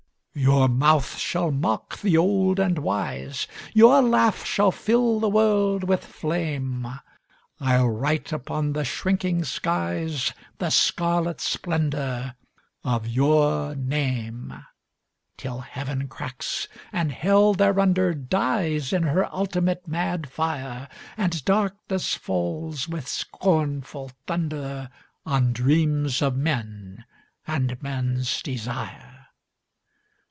Your mouth shall mock the old and wise, Your laugh shall fill the world with flame, I'll write upon the shrinking skies The scarlet splendour of your name, Till Heaven cracks, and Hell thereunder Dies in her ultimate mad fire, And darkness falls, with scornful thunder, On dreams of men and men's desire.